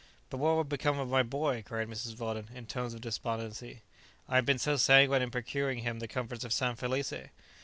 "But what will become of my boy?" cried Mrs. Weldon, in tones of despondency; "I have been so sanguine in procuring him the comforts of San Felice."